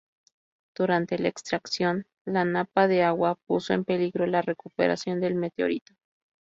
Durante la extracción, la napa de agua puso en peligro la recuperación del meteorito.